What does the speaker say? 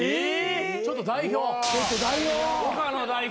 ちょっと代表！